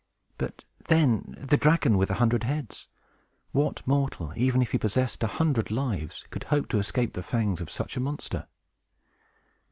But, then, the dragon with a hundred heads! What mortal, even if he possessed a hundred lives, could hope to escape the fangs of such a monster?